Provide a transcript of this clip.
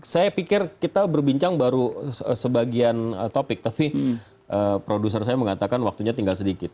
saya pikir kita berbincang baru sebagian topik tapi produser saya mengatakan waktunya tinggal sedikit